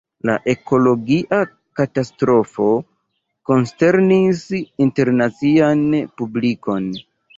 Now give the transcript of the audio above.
La ekologia katastrofo konsternis internacian publikon.